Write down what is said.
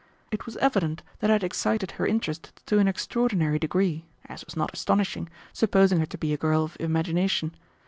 It was evident that I had excited her interest to an extraordinary degree, as was not astonishing, supposing her to be a girl of imagination.